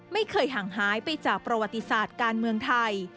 ไม่เคยห่างหายไปจากประวัติศาสตร์การเมืองไทย